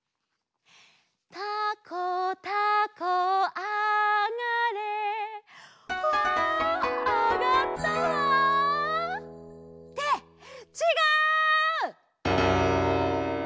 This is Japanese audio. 「たこたこあがれ」わあがったわ！ってちがう！